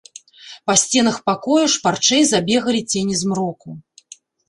Па сценах пакоя шпарчэй забегалі цені змроку.